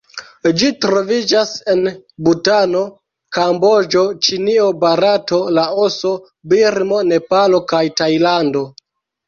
Ĝi troviĝas en Butano, Kamboĝo, Ĉinio, Barato, Laoso, Birmo, Nepalo, kaj Tajlando.